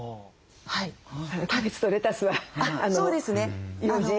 キャベツとレタスはようじ。